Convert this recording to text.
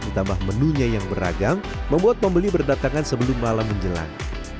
ditambah menunya yang beragam membuat pembeli berdatangan sebelum malam menjelang